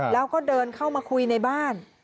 แล้วก็เดินเข้ามาคุยในบ้าน